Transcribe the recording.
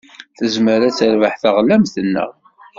Tezmer ad terbeḥ teɣlamt-nneɣ.